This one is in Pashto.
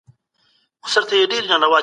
د پوهي په رڼا کي ټولنه پرمختګ کوي.